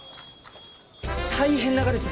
大変ながです！